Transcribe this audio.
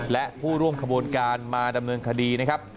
และผู้ร่วมขบวนการมาดำเนินคดีนะครับ